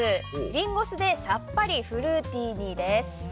リンゴ酢でさっぱりフルーティーに、です。